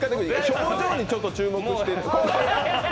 表情にちょっと注目していただいて。